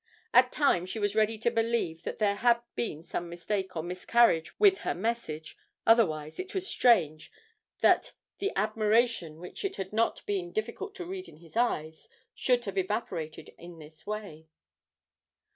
At times she was ready to believe that there had been some mistake or miscarriage with her message, otherwise it was strange that the admiration which it had not been difficult to read in his eyes should have evaporated in this way.